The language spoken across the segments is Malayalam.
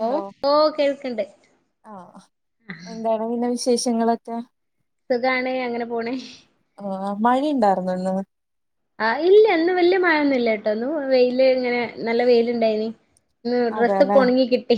ഉണ്ടോ ഓഹ് ഓഹ് കേൾക്ക്ണ്ട് വേറെ പിന്നെ വിശേഷങ്ങളൊക്കെ സുഖാണ് അങ്ങനെ പോണേ. ആഹ് മഴയുണ്ടായിരുനോ ഇന്ന് ആഹ് ഇല്ല ഇന്ന് വല്യ മഴ ഒന്നുമില്ല ട്ടോ ഇന്ന് ഫു വെയില് ഇങ്ങനെ നല്ല വെയിലുണ്ടായിന് ഉം ഡ്രസ്സ്ക്കെ അതെല്ലേ ഒണങ്ങി കിട്ടി.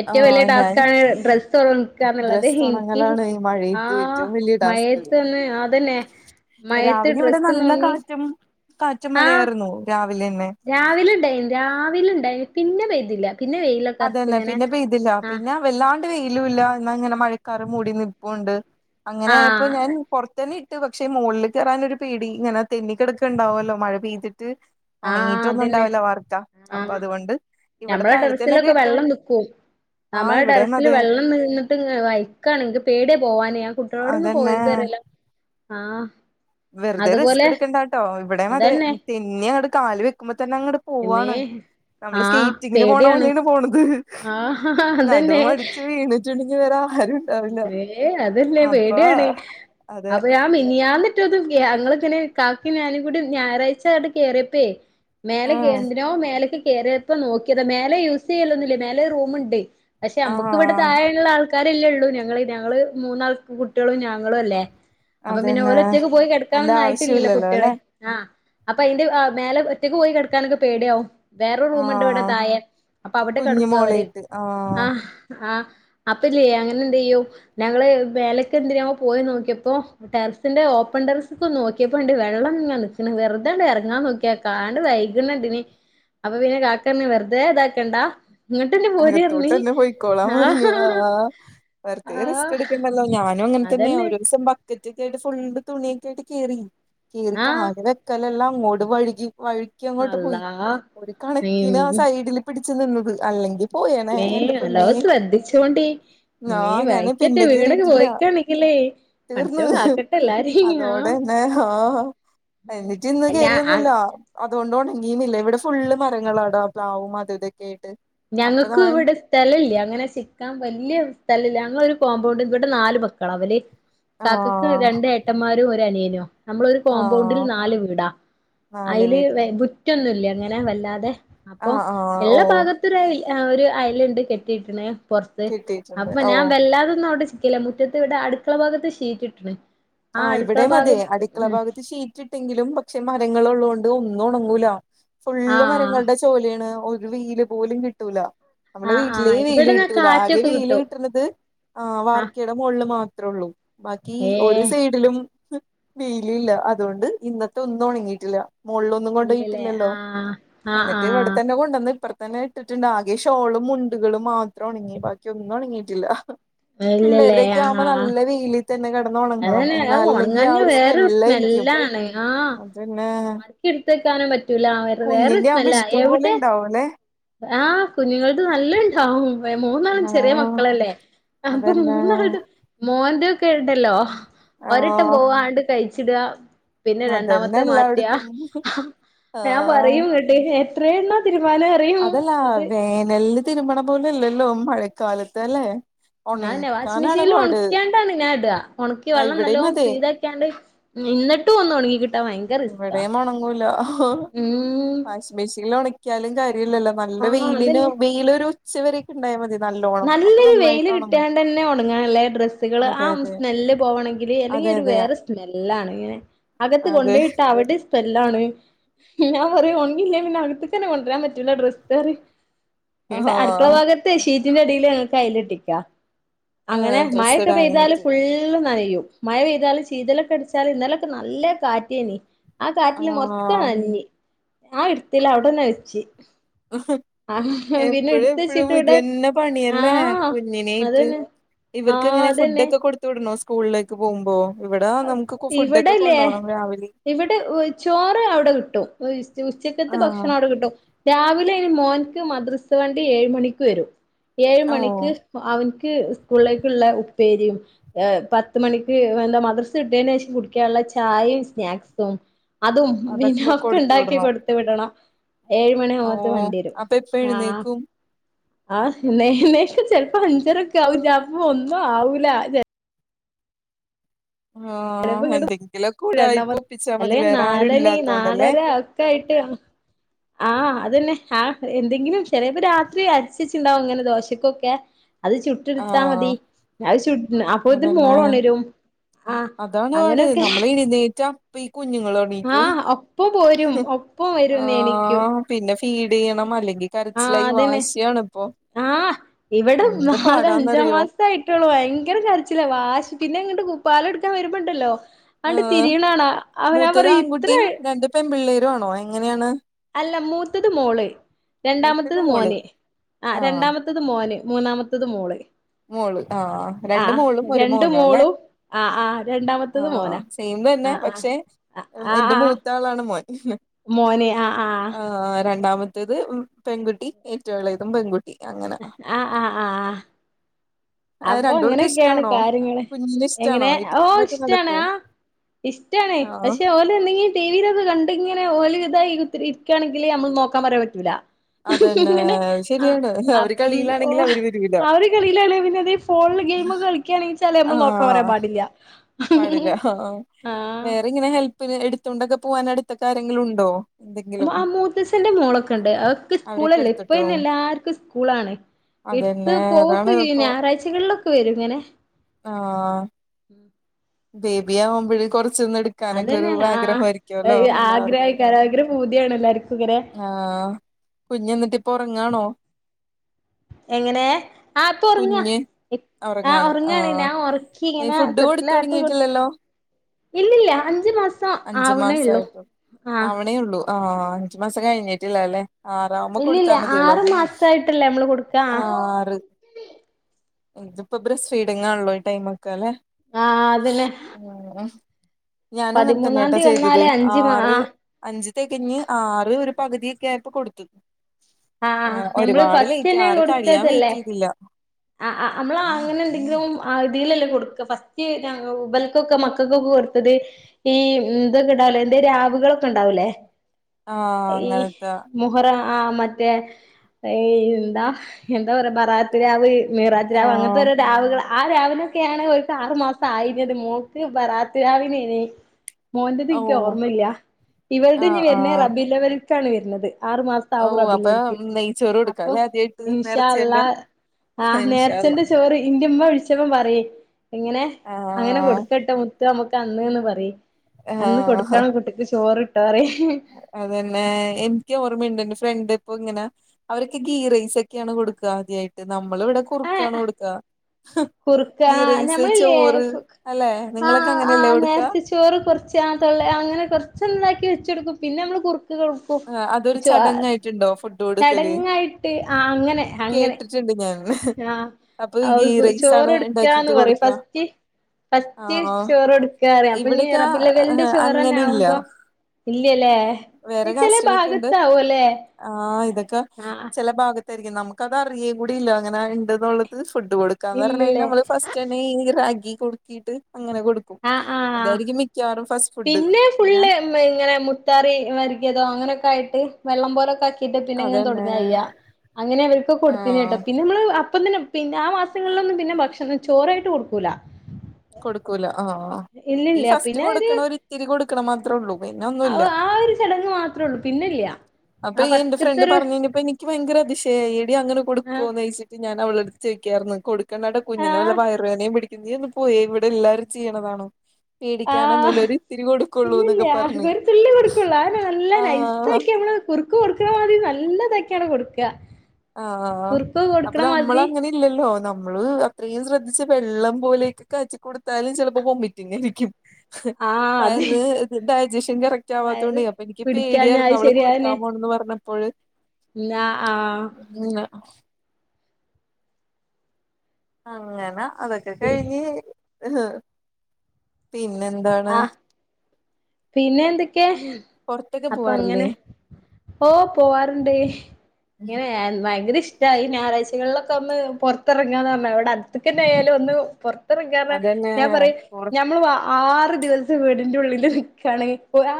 ഏറ്റവും വലിയ ആഹ് ഞാൻ ടാസ്ക് ആണ് ഡ്രസ്സ്ഒണക്കാന്നുള്ളത് ഡ്രസ്സ് എനിക്ക് ഉണങ്ങലാണ് ഈ ആ മഴയത്ത് ഏറ്റവും വലിയ ടാസ്ക് മയത്ത്ന്ന് അതന്നെ മഴത്ത് രാവിലെ ഇവിടെ ഡ്രസ്സൊന്ന് നല്ല ഒണങ്ങി കാറ്റും കാറ്റും മഴയായിറുന്നു രാവിലെ തന്നെ രാവില ഉണ്ടായിന് രാവിലെ ഉണ്ടായി പിന്നെ വെയ്തില്ല പിന്നെ വ അതന്നെ പിന്നെ പെയ്തില്ല പിന്നെ വല്ലാണ്ട് വെയിലും ഇല്ല എന്നാ ഇങ്ങനെ മഴക്കാറ് മൂടി നിപ്പുണ്ട് അങ്ങനെ ആയപ്പോ ആ ഞാൻ പുറത്തുന്നെ ഇട്ട് പക്ഷെ മൊളില് കെയറാനൊരു പേടി ഇങ്ങനെ തെന്നിക്കിടക്കുണ്ടാവോല്ലോ മഴ പെയ്തിട്ട് ആഹ് ഒണങ്ങിട്ടൊന്നും അതന്നെ ഉണ്ടാവില്ല വാർക്കാ അപ്പൊ അതുകൊണ്ട് ഇവിടെ താഴ സ് ലൊക്കെ വെള്ളം നിക്കും. നമ്മളെ ഇവിടെയും ടെറസില് വെള്ളം നീന്നിട്ട് ഇങ്ങനെ വഴ്‌ക്കാണ് ഇൻക്ക്പേടിയാ പോവാന് ഞാൻ കുട്ട്യോളോടെന്നെ അതന്നെ പോവര്ത് പറയലാ ആഹ് വെറ്തെ റിസ്ക് അതുപോലെ ഇട്ക്കണ്ടാട്ടോ ഇവിടെയുംമതേ അതന്നെ തെന്നി ആണ്ട് കാല് വെക്കുമ്പോ തന്നെ അങ്ങട് പോവാണ് ഇമ്മേയ്ഹ് നമ്മള് സ്കേറ്റിങ്ങിന് പോണ പോലെയാണ് പോണത് ആഹ് നടുവും അതന്നെ അടിച്ച് വീണ് ച്ചോണ്ട് ന്നിവരാ ഹരുണ്ട് ഇമ്മേയ് അതെല്ലെ പേടിയാണ് അതെ അപ്പൊ ഞാൻ മി ഞ്ഞാന്ന് ട്ട് തിം ഞങ്ങള് ഇങ്ങനെ കാക്കിം ഞാനും കൂടി ഞായറാഴ്ച ആയോണ്ട് കേറിയപ്പേ മേലെ കെ ആഹ് എന്തിനോ മേലക്ക് കേറിയപ്പോ നോക്ക്യേതാ മേലെ യൂസ് ചെയ്യല്ലൊന്നുല്ല മേലെ ഒര് റൂമ്ണ്ട് പക്ഷെ അമ്മക്ക് ഇവിടെ ആഹ് താഴെയ്ള്ള ആൾക്കാരല്ലേ ഉള്ളൂ ഞങ്ങള് ഞങ്ങള് മൂന്നാൾകും കുട്ട്യാളും ഞങ്ങളും അല്ലേ അപ്പൊ പിന്നെ അതന്നെ ഓലൊറ്റക്ക് പോയി അന്റെ കെട്ക്കാനൊന്നും ആയിട്ടില്ലല്ലോ ആവശ്യല്ലല്ലോ കുട്ട്യാള് അല്ലെ ആഹ് അപ്പൊ അയ്ന്റെ അഹ് മേലെ ഒറ്റക്ക് പോയി കെട്ക്കാനൊക്കെ പേടിയാവും വേറൊറ് റൂമ്ണ്ട് ഇവടെ ആഹ് താഴെ അപ്പൊ അവിടെ കുഞ്ഞു കെട്ക്കും അവര് മോളായിട്ട് ആഹ് ആഹ് അപ്പ ഇല്ലേ അങ്ങനെ എന്തെയ്യും ഞങ്ങള് മേലക്ക് എന്തിനോ പോയി നോക്ക്യേപ്പൊ ടെറസിന്റെ ഓപ്പൺ ടെറസ്ക്ക് നോക്കിയേപ്പണ്ട് വെള്ളം ഇങ്ങനെ നിക്ക്ണ് വെറുതെണ്ട് എറങ്ങാൻ നോക്കിയെ കാണ്ട് വൈക്ണണ്ടീനിം അപ്പൊ പിന്നെ കാക്ക പറഞ്ഞു വെർതേ ഇതാക്കണ്ട ഇങ്ങട്ടന്നെ പോര്ർഞ്ഞ് അകത്തോട്ടെന്നെ പോയ്ക്കോളാം പർഞ്ഞ് ആഹ് ആഹ് വെറ്തെ റിസ്ക് ആഹ് എട്ക്കണ്ടല്ലോ ഞാനു അങ്ങൻതന്നെയാ അതന്നെ ഒരോരിസം ബ ക്കെറ്റൊക്കെ ആയിട്ട് ഫുള്ള് തുണിയൊക്കെ ആയിട്ട് കേറി കേറി ആഹ് കാല് വെ ക്കലെല്ലാ അങ്ങോട്ട് വഴ്‌കി വഴ്‌ക്കി അങ്ങോട്ട് പോയി അള്ളാ ഒരു കണക്കിനാ ആ ഉം സൈഡില് പിടിച്ച് നിന്നത് അല്ലെങ്കി പോയേനെ ഇമ്മേ എന്റെ നല്ലോ പൊന്നേ ശ്രദ്ധിച്ചോണ്ടി ഇമ്മേ ആഹ് ഞാന് വഴിക്കറ്റെ പിന്നെ വീണൊക്കെ കേറിയിട്ടില്ല പോയിക്കാണെങ്കിലേ തീർന്ന് പടച്ചോൻ കാക്കട്ടെ എല്ലാരേം ആഹ് അതോടെന്നെ ആഹ് ആഹ് ഉം എന്നിറ്റ് ഇന്ന് കേറിയൊന്നു അല്ല ഇല്ല അതുകൊണ്ട് ഉണങ്ങിയുമില്ല ഇവിടെ ഫുള്ള് മരങ്ങളാടാ പ്ലാവും അത് ഇതൊക്കെ ആയിട്ട് അപ്പൊ ഞങ്ങൾക്ക് താൻ ഇവ്ടെ സ് സ്ഥല ഇല്ല്യ അങ്ങനെ സിക്കാൻ വല്ല്യെ സ്ഥലല്ല ഞങ്ങളൊരു കോമ്പൗണ്ട് ഇവിടെ നാല് മക്കളാ ഇവല് ആ കാക്കക്ക് രണ്ട് ഏട്ടന്മാരും ഒരു അനിയനു ആ നമ്മളൊ ഒരു ആ കോമ്പൗണ്ടിൽ നാല് വീടാ നാല് അയ്ല് വീട് വെ മുറ്റൊന്നുംല്ല ഇങ്ങനെ വല്ലാതെ. ആ അപ്പൊ ആ ഓ എല്ലാ ഭാഗത്തുരായി ഒരു അയല്ണ്ട് കെട്ടിയിട്ട്ണ്. പൊറത്ത് കിട്ടിയിട്ടുണ്ട് അപ്പൊ ഓ ഞാൻ വല്ലാതൊന്നും അവിടെ ചിക്കല്ല മുറ്റത്ത് ഇവിടെ അടുക്കള ഭാഗത്ത് ഷീറ്റ്ട്ട്ണ്. ആഹ് ഇവിടെയും അതേ അടുക്കള ഭാഗത്ത് ശീ റ്റ്ട്ടെങ്കിലും പക്ഷെ മരങ്ങൾ ഉള്ളോണ്ട് ഒന്നും ഒണങ്ങൂലാ ആ ഫുള്ള് മരങ്ങൾടെ ചു റ്റോലിയാണ് ഒരു വെയ്ല് പോലും കിട്ടൂല. നമ്മളെ ആ ആ വീട്ടിലേ വെയില് ഇവിടെന്നാ കിട്ടൂല ആകെ കാറ്റൊക്കെ വെയില് കിട്ടും കിട്ട്ണത്. ആഹ് ആ വാർക്കയുടെ മോൾള് മാത്രെ ഒള്ളൂ ബാക്കി ഒര് ഏഹ് വീട്ടിലും വെയ്ലില്ല അത്കൊണ്ട് ഇന്നത്തെ ഒന്നും ഒണങ്ങീട്ടില്ല. മോൾളൊന്നും കൊണ്ടോയി ഇല്ലല്ലേ ഇട്ടില്ലല്ലോ ആഹ് ആഹ് എന്നിട്ട് ഇവടെ ആഹ് തന്നെ കൊണ്ടെന്ന് ഇപ്പർത്തെന്നെ. ഇട്ട്ട്ട്ണ്ട് ആകെ ഷോളും മുണ്ട്കളും മാത്രം ഒണങ്ങി ബാക്കി ഒന്നും ഒണങ്ങിയിട്ടില്ല. ഇല്ലല്ലേ പിള്ളേര്ടെയെക്കെ ആവുമ്പോ ആഹ് നല്ല വെയ്ലിൽ തന്നെ കെടന്നൊണ ങ്ങണം അതന്നെ എന്നാൽ അത് അല്ലെങ്കിൽ ആ ഒണങ്ങാഞ്ഞ ഒരു വേറൊരു സ്മെല്ലായിരിക്കും സ്മെല്ലാണ് അതെന്നെ തിരിട്ടെക്കാനും പറ്റൂല വേറെ വേറെ ഒര് ആവുമ്പോ സ്മെല്ലാ ഇഷ്ടം പോലെ എവ്ടെ ഇണ്ടാവുംല്ലേ ആഹ് കുഞ്ഞ്ങ്ങൾത് നല്ലം ഇണ്ടാവും മൂന്നാളും ചെറിയ ആഹ് മക്കളല്ലേ. അപ്പൊ അതന്നെ മൂന്നാൾതും മോൻന്റെ ഒക്കെ ഇണ്ടല്ലോ ഒരെട്ടം ആഹ് പോവാ ആണ്ട് കഴിച്ച് ചിടാ പിന്നെ അതന്നെ രണ്ടാമത്തെ മാറ്റുക എല്ലായിടത്തും ആഹ് ഞാൻ ആഹ് പറയൂം വി ഏഹ് എത്രയെണ്ണവാ തിരുമ്മാന് അറിയും അതല്ലാ അത് വേനലില് തിരുമ്മണ പോലല്ലല്ലോ മഴക്കാലത്തല്ലേ ഉം അതന്നെ വാഷിഗ് മെഷീനിൽ ഒണക്കാണ്ടാണ് ഞാൻ ഇടുക ഒണക്കി ആഹ് വെള്ളം നല്ലോ ഇവിടെയും അതെ പീ ക്കാണ്ട് ഉം ഇന്നിട്ടും ഒന്നൊണങ്ങി കിട്ടാ ഭയ ഇവിടെയും ഒണങ്ങൂല ഉം വാഷിംഗ് മെഷീനിൽ ഒണക്കിയാലും കാര്യവില്ലല്ലോ നല്ല ആഹ് വെയിലിന് അതന്നെ വെയിലൊരു ഉച്ചവരൊക്കെ ഉണ്ടായ മതിയാരുന്നു നല്ലൊരു വെയില് കിട്ടാണ്ട് തന്നെ ഒണങ്ങാനല്ലേ ഡ്രസ്സുകള് ആ അതെ അതെ സ്മെല്ല് പോകണെങ്കില് അല്ലെങ്കി അതെ ഒരു അതെ വേറെ സ് സ്മെല്ലാണ് ഇങ്ങനെ അകത്ത് അതെ കൊണ്ടോയിട്ട അവിടേം സ്മെല്ലാണ് [unintelligible] ഞാന് പറയും ഒണങ്ങിയില്ലെ പിന്നെ അകത്തക്കന്നെ കൊണ്ടരാൻ പറ്റുല ഡ്രസ്സ് പറയും ഇവിടേ അടുക്കള ആഹ് ഭാഗത്ത് ഷീറ്റിന്റടീല് ഞങ്ങ കയ്ല് കെട്ടീക്കാ അങ്ങനെ ഡ്രസ്സ് മഴൊക്കെ പെയ്താല് ഇടാനായിട്ട് ഫുള്ള് നനയും മഴ പെയ്താല് ശീതലൊക്കെ അടിച്ചാല് ഇന്നലൊക്കെ നല്ല കാറ്റയ്നി ആ കാറ്റില് ആഹ് മൊത്തം നനഞ്ഞ് ഞാ എടുത്തില്ല അവിടന്നെ വെച്ച് ആഹ് പിന്നെ എപ്പഴും എടുത്ത് എപ്പഴും ഇത് വച്ചീട്ടിവിടെ തന്നെ പണിയല്ലേ കുഞ്ഞിനെ ഇട്ട് ഇവർക്ക് ആഹ് ഇങ്ങനെ ഫുഡ് അതന്നെ ഒക്കെ കൊടു ത്തുവിടണോ സ്കൂളിലേക്ക് പോകുമ്പോ ഇവടെ നമുക്ക് കു ഫുഡ് ഒക്കെ കൊണ്ടു ഇവിടെല്ലേ പോണം രാവിലെ ഇവിടെ ചോറ് അവിടെ കിട്ടും ഉച്ചക്കത്തെ ആഹ് ഭക്ഷണം അവിടെ കിട്ടും രാവി ലെ മോൻക്ക് മദ്രസ് വണ്ടി ഏഴ് മണിക്ക് വരും ഏഴ് ഓ മണിക്ക് അവനിക്ക് സ്കൂളിലേക്കുള്ള ഉപ്പേരിയും ഏഹ് പത്ത് മണിക്ക് ഏഹ് എന്താ മദ്ര സ് വിട്ടേന് ശേഷം കുടിക്കാനുള്ള ചായയും സ്നാക്സും അതും പിന്നെ അതൊക്കെ ഒക്കെ കൊടുത്തു ഉണ്ടാക്കി വിടണം കൊടുത്ത് വിടണം ഓ ഏഴുമണിയാവുമ്പത്തെ വണ്ടി വരും അപ്പൊ എപ്പ ആഹ് എഴുന്നേക്കും ആഹ് ഇന്നേ എന്നേക്കും ചെലപ്പോ അഞ്ചരൊക്കെ ആകും ഞാപ്പ ഒന്നും ആവൂല ചെ ആഹ് ചിലപ്പങ്ങടു എന്തെങ്കിലൊക്കെ ഉടായിപ്പ് രണ്ടാമത് ഒപ്പിച്ചാ മതി അല്ലെ വേറെ ആരും നാലണേ ഇല്ലാത്തോണ്ടല്ലേ നാലര ഒക്കായിട്ട് ആഹ് അതന്നെ ആഹ് എന്തെങ്കിലും ചെലപ്പ രാത്രി അരച്ചച്ചിണ്ടാവും ഇങ്ങനെ ദോശക്കൊക്കെ അത് ചുട്ടെടുത്താ മതി ആഹ് അത് ചുട് അപ്പൊത്തേനും അതന്നെ മോളൊണരും ആഹ് അതാണ് പാട് അങ്ങനെയൊക്കെ നമ്മളെ എഴുന്നേറ്റാ അപ്പ ഈ കുഞ്ഞുങ്ങളടെ നീക്കും ആഹ് ഒപ്പം പോരും ഒപ്പം വരുംന്ന് എണീക്കും ആഹ് പിന്നെ ഫീഡെയ്യണം അല്ലെങ്കി ആഹ് കരച്ചിലായി അതന്നെ വാശിയാണ് ഇപ്പൊ ഉം ൻ്റെ ൻ്റെ അഞ്ചാം മാസം ആയിട്ടള്ളൂ ഭയങ്കരം കരച്ചിലാ വാശി പിന്നെ ഇങ്ങോട്ട് കു പാലൊടുക്കാൻ വരുമ്പണ്ടല്ലോ അങ്ങട്ട് ആഹ് തിരിയണകാണാ അപ്പ നാ പറയും ഇത്ര ആയി പെമ്പിള്ളേരു വേണോ എങ്ങനെയാണ് അല്ല മൂത്തത് മോള് മൂത്തത് രണ്ടാമത്തത് മോള് മോന് ആഹ് രണ്ടാമത്ത മൂത്തത് മോന് മൂന്നാമത്തത് മോള് മോള് ആഹ് രണ്ട് ആഹ് മോളും ഒരു രണ്ടു മോനും അല്ലെ മോളും ആഹ് ആഹ് രണ്ടാമത്തത് ആഹ് മോനാ സെയിം തന്നെ ആ ആ പക്ഷെ ആ എന്റെ ആ മൂത്താളാണ് മോൻ ഉം മോന് ആ ആ ആഹ് രണ്ടാമത്തെ മൂത്തത് പെൺകുട്ടി ഏറ്റവുളയത് പെൺകുട്ടി അങ്ങനാ ആഹ് ആഹ് ആഹ് അപ്പൊ രണ്ടു പേർക്കും ഇങ്ങനെയൊക്കെയാണ് ഇഷ്ടാണോ കാര്യങ്ങള് കുഞ്ഞിന് ഇഷ്ടാണോ എങ്ങനെ ഓഹ് ഇതൊക്കെ ഇഷ്ടാണ് നടക്കോ ആഹ് ഇഷ്ടാണ് ആഹ് പക്ഷെ ഓല എന്തെങ്കിലു ടിവിയിലൊക്കെ കണ്ടിങ്ങനെ ഒലെ ഇതായി ഇരിക്കണെങ്കില് നമ്മ നോക്കാൻ പറയാൻ പറ്റൂല്ല അതന്നെ ഇങ്ങനെ ആഹ് ശരിയാണ് ആം അവര് ഇ ഓ കളിയിലാണെങ്കിൽ അവര് വരൂല ആ ഒരു കളിയിലാണ് പിന്നെ ഫോണിൽ ഗെയിം കളിക്കാണേച്ചാല് നമ്മള് നോക്കാൻ പറയാൻ ആഹ് പാടില്ല പാടില്ല ആഹ് ആ വേറെ ഇങ്ങനെ ഹെൽപ്പിന് എടുത്തോണ്ടൊക്കെ പോവാൻ അടുത്തൊക്കെ ആരെങ്കിലും ഉണ്ടോ ഉം എന്തെങ്കിലും ആഹ് മൂത്തച്ചന്റെ മോളൊക്കെണ്ട് അതൊക്കെ അവരൊക്കെ സ്കൂളല്ലേ എടുത്തിട്ടോ ഇപ്പന്നെ എല്ലാർക്കും സ്കൂളാണ് അതന്നെ എടുത്ത് അതാണ് പോവുവൊക്കെ ചെയ്യും ഇപ്പൊ ഞായറാഴ്ചകളിലൊക്കെ വരും ഇങ്ങനെ ആഹ് ബേബിയാവുമ്പഴേ കുറച്ചൊന്ന് എടു അതന്നെയാണ് ആഹ് എല്ലാവർക്കും ആഗ്രഹക്കാരം ഭയങ്കരംഭൂതിയണെല്ലാർക്കും ഇങ്ങനെ ആഹ് കുഞ്ഞ് എന്നിട്ട് ഇപ്പൊ ഉറങ്ങാണോ എങ്ങനെ ആഹ് ഇപ്പോ ഒറങ്ങുവാ കുഞ്ഞ് ആഹ് ഒറങ്ങാണ് ഉറങ്ങുവാണ് ആഹ് ഞാൻ ഉറക്കി ഈ ഇങ്ങനെ ഫുഡ് കൊടുത്ത് തൊട്ടിലാട്ടി കൊടു തൊടങ്ങിയിട്ടില്ലല്ലോ ഇല്ലില്ല അഞ്ചു മാസം അഞ്ചു ആവണേയുള്ളൂ മാസായിട്ടുള്ളൂ ആഹ് ആവണേ ഉള്ളൂ ആഹ് അഞ്ചു മാസം കഴിഞ്ഞിട്ടില്ലാല്ലേ ആറാകുമ്പോ ഇല്ലില്ല കൊടുത്താ മതിയല്ലോ ആറ് മാസായിട്ടല്ലേ നമ്മള് കൊടുക്ക ആഹ് ആറ് ഇതിപ്പോ ബ്രസ്റ്റ് ഫീഡിങ്ങാണല്ലോ ഈ ടൈമ് ഒക്കെ അല്ലെ അതന്നെ ഉം ഞാനും അങ്ങനെ പതിമൂന്നാം തന്നെയാട്ടോ തീയതി ചെയ്തത് വന്നാലേ അഞ്ച് മാ ആറ് ആഹ് അഞ്ച് തികഞ്ഞ് ആറ് ഒരു പകുതിയൊക്കെയായപ്പൊ കൊടുത്തു ആഹ് ഹ് നമ്മള് ഒരുപാട് ലേറ്റ് ഫസ്റ്റന്നെ ആറ് കഴിയാൻ കൊടുക്കതല്ലേ വെയിറ്റെയ്തില്ല ആ അ നമ്മള അങ്ങനെ എന്തെങ്കിലും ആഹ് ആഹ് നമ്മള് അങ്ങനെ ഉണ്ടെങ്കിലും ഇതീലല്ലേ കൊടുക്കുക ഫസ്റ്റ് ഇബലക്കൊക്കെ മക്കൾക്കൊക്കെ കൊടു ത്തത് ഈ ഇതൊടാലോ എന്തോ രാവുകളൊക്കെ ഇണ്ടാവൂലേ ആഹ് ഈ അങ്ങനത്തെ മുഹറ ആഹ് മ മറ്റേ ഏഹ് എന്താ എന്താ പറയാ ബറാത്ത് രാവ് മീറാജ് രാവ് ആഹ് അങ്ങനത്തോരോ രാവുകളാ ആഹ് രാവിനൊക്കെയാണ് ഓൽക്ക് ആറു മാസം ആയിഞ്ഞത് മോക്ക് ബറാത്ത് രാവിനേനി മോൻന്റെത് ഓ എനിക്ക് ഓർമ്മയില്ലാ ഇവൾടെ ഇനി ആഹ് വരുന്നത് ആഹ് റബ്ബിൽഹവൽകാണ് വരുന്നത് ആറു മാസം ഓ ആവും അപ്പൊ റബിലവൽക്ക് നെയ്ച്ചോറ് കൊടുക്കാം അപ്പൊ അല്ലേ ആദ്യമായിട്ട് ഇൻഷാ അള്ളാ നേറച്ചേന്റെ ആഹ് നേർച്ചന്റെ ഇൻഷാഅല്ലാഹ് ചോറ് ഇന്റെയമ്മ വിളിച്ചപ്പം പറയും ഇങ്ങനെ ആഹ് അങ്ങനെ കൊടുക്കട്ടെ മുത്ത് നമുക്ക് അന്ന് എന്ന് പറിം അന്ന് ആഹ് കൊടുക്കണം കുട്ടിക്ക്‌ ചോറ് ഇട്ടോ പറയും അതന്നെ എനിക്ക് ഓർമ്മയുണ്ട് എന്റെ ഫ്രണ്ട് ഇപ്പോങ്ങനെ അവരൊക്കെ ഗീ റൈസ് ഒക്കെയാണ് കൊടക്കാ ആദ്യായിട്ട് നമ്മൾ ഇവിടെ കുറുക്കാണ് ആഹ് കൊടുക്കാ കുറുക്ക ഗീറൈസ് ഞമ്മളില്ലേ ചോറ് അല്ലെ നിങ്ങളൊക്കെ ആഹ് അങ്ങനെയല്ലേ ആഹ് കൊടുക്കാ നേരത്തെ ചോറ് കുറച്ച് തോള്ള അങ്ങനെ കുറച്ച്ന്താക്കി വെച്ച് കൊടുക്കും പിന്നെ നമ്മള് കുറുക്ക് കൊടു ക്കും ആ, ഓ അതൊരു ചോ ചടങ്ങായിട്ടുണ്ടോ ഫുഡ് കൊടുക്കല് ചടങ്ങായിട്ട് ആഹ് അങ്ങനെ അങ്ങനെ കേട്ടിട്ടുണ്ട് ഞാൻ ആഹ് അപ്പൊ ഈ ഗീറൈ ചോറ്ടെക്കാ പറയും ഫസ്റ്റ് ഫസ്റ്റ് ആഹ് ചോറെടുക്കാന്നറിം അപ്പൊ ന ഇവിടെയൊക്കെ റബിലവലിന്റെ അങ്ങനെയില്ല ചോറന്നെവുമ്പോ ഇല്ലയല്ലെ കസിനെക്കൊണ്ട് ആഹ് ഇതൊക്കെ ആഹ് ചെല ഭാഗ താരിക്കും നമക്കത് അറിയും കൂടിയില്ല അങ്ങനെ ഇണ്ട് എന്നുള്ളത് ഫുഡ് കൊടുക്കാന്ന് പറഞ്ഞ് കഴിഞ്ഞാ ഇല്ലല്ലേ നമ്മള് ഫസ്റ്റ് ചേനേ ഈ റാഗി കൊടുക്കീട്ട് അങ്ങനെ കൊടു ആഹ് ആഹ് അതായിരിക്കും മിക്കവാറും ഫസ്റ്റ് ഫുഡ് പിന്നെ ഇങ്ങനെ മുത്താറി വെരകിയതോ അങ്ങനൊക്കെ ആയിട്ട് വെള്ളം പോലൊക്കെ ആക്കീട്ട് ട്ട് പിന്നെ ഇങ്ങനെ അതന്നെ തുടങ്ങയ്യ അങ്ങനെ ഇവർക്ക് കൊടുത്തിനി കേട്ടോ ആഹ് പിന്നെ നമ്മള് അപ്പം തന്നെ പിന്നെ ആഹ് മാസങ്ങളിലൊന്നും പിന്നെ ഭക്ഷണം ചോറായിട്ട് കൊടുക്കൂല കൊടുക്കൂല ആഹ്, ഈ ഇല്ലില്ല ഫസ്റ്റ് പിന്നെ ഒരു കൊടുക്കണ ഒരിത്തിരി കൊടുക്കണ മാത്രമേ ഉള്ളൂ പിന്നെ ഒന്നൂല്ല. ആ ഒരു ചടങ്ങ് മാത്രേ ഉള്ളൂ, പിന്നെല്ല. അപ്പ, ഈ എന്റെ ഫ്രണ്ട് പറഞ്ഞ് കഴിഞ്ഞപ്പൊ എനിക്ക് എനിക്ക് ഭയങ്കര അതിശയ ആയി. എടി അങ്ങനെ ആ കൊടുക്കോ എന്ന് ചോദിച്ചിട്ട് ഞാൻ അവളെ അടുത്ത് ചോദിക്കായിരുന്നു. കൊട് കൊടുക്കണ്ടാ ട്ട, ആ കുഞ്ഞിനെ വല്ല വയറുവേദയും പിടിക്കും. നീ ഒന്ന് പോയേ, ഇവിടെ എല്ലാരും ചെയ്യണതണ്. ആഹ് ഇല്ലി ല്ല പറഞ്ഞ് ഒരു തുള്ളി കൊടുക്കുള്ളൂ. അതിനെ നല്ല ആഹ് നൈസാക്കി നമ്മള് കുറു കുറുക്ക് കൊടുക്കണ മാതിരി നല്ലതൊക്കെയാണ് കൊടുക്കുക. കുറുക്ക് കൊടുക്കണ മാതിരി. ഇല്ല ല്ലോ? നമ്മള് അത്രയും ശ്രദ്ധിച്ച് വെള്ളം പോലെയൊക്കെ കാച്ചി കൊടുത്താലും ചിലപ്പോ വൊമ്മി റ്റിങ്ങായിരിക്കും. ആ [inaudible] അതെ വയറിന് ഡയജഷൻ കറക്റ്റ് ആവാത്തൊണ്ട് വയറ് അപ്പൊ എനിക്ക് പിടിക്കാഞ്ഞാ പേടിയായിരുന്നു. അത് അവള് കൊടുക്കാ പോണന്ന് പറഞ്ഞ അപ്പോഴ് ഇല്ല, ആഹ് നിന്ന് അങ്ങന അതൊക്കെ കഴിഞ്ഞ്. പിന്നെ ന്താണ്. ആഹ് പിന്നെ എന്തൊക്കെ, പൊറത്തൊക്കെ അപ്പ പോവാറില്ലേ അങ്ങനെ. ഓ, പോവാറുണ്ട്. ഇങ്ങനെ ഭയങ്കര ഇഷ്ട. ഈ, ഞായറാഴ്ച കളൊക്കെ ഒന്ന് പുറത്തിറങ്ങാന്ന് പറഞ്ഞാ. ഇവിടെ എന്തൊക്കെ ന്നെ ആയാലും ഒന്ന് പൊറത്തെറങ്ങാ പറഞ്ഞ അതന്നെ ഞാൻ പറയും. പൊറ ഞമ്മള് ആറ് ദിവസം വീടിന്റെ ഉള്ളില്. നിക്കാണ്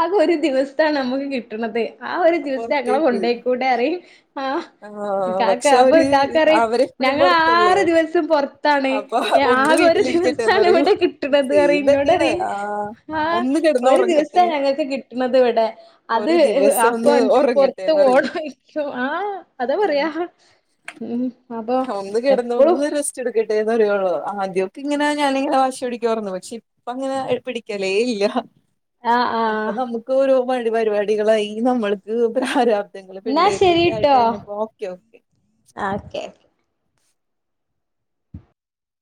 ആകെ ഒരു ദിവസത്താണ് നമുക്ക് കിട്ടണത്. ആഹ്, ഒരു ദിവസം ഞങ്ങളെ പൊറത്തേക്ക് കൊണ്ടോയിക്കൂടെ പറയും. ആഹ് ആഹ് ഇക്കാക്ക പക്ഷെ അപ്പൊ അവര് ഇക്കാക്ക പറയും, അവരെപ്പഴും ഞങ്ങള് പൊറത്തല്ലേ ആറ് ദിവസം പൊറത്താണ്. അപ്പൊ ഒന്ന് ആകെ, ഒരു വീട്ടിലിരിക്കട്ടെന്ന് ദിവസാണ് പറയും ഇവിടെ കിട്ടണത് സെയിം പറയും. എന്നോട് തന്നെയാണ് പറയും. ആഹ് ആഹ് ഒന്ന് ഒരു, ദിവസ കിടന്നുറങ്ങട്ടെ ഞങ്ങൾക്ക് കിട്ടണത് ഇവിടെ, അത്. ഒരു ദിവസം ഇപ്പൊ, ഒന്ന് അന്ക്ക് പൊറത്ത് ഉറങ്ങട്ടെന്ന് പറയും പേണായിരിക്കും. ആഹ് അതാ പറയാ. ഉം ഉം, അപ്പൊ ഒന്ന് കിടന്ന് എപ്പോഴും. ഒന്ന് റെസ്റ്റ് എടുക്കട്ടെ, എന്ന് പറയുള്ളൂ. ആദ്യമൊക്കെ ഇങ്ങനെ ഞാനിങ്ങനെ വാശി പിടിക്കുവായിരുന്നു. പക്ഷെ, ഇപ്പൊ അങ്ങനെ പിടിക്കലേ, ഇല്ല. ആഹ് ഇപ്പ, ആഹ് നമുക്ക് ഓരോ വഴി പരിപാടികളായി നമ്മൾക്ക് പ്രാരാപ്ത ഇത് ങ്ങള് എന്നാ പിള്ളേര് ഒക്കെ, ആയി ശരിട്ടോ കഴിഞ്ഞപ്പോ? ഓക്കെ, ഓക്കെ ആഹ്, ഓക്കെ